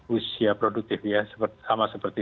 usia produktif ya sama seperti